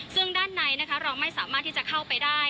ซึ่งด้านในเราไม่สามารถที่จะเข้าไปได้